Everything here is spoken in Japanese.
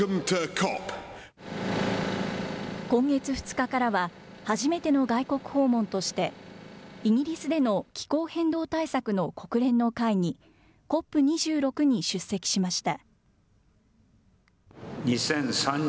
今月２日からは、初めての外国訪問として、イギリスでの気候変動対策の国連の会議、ＣＯＰ２６に出席しました。